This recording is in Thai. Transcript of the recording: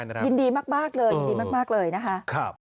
ยินดีมากเลยยินดีมากเลยนะคะ